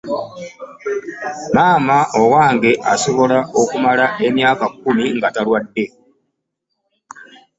Maama owange asobola okumala emyaka kumi nga talwadde.